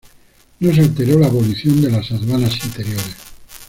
No se alteró la abolición de las aduanas interiores.